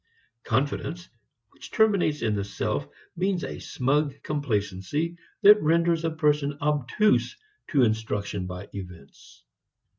Confidence which terminates in the self means a smug complacency that renders a person obtuse to instruction by events.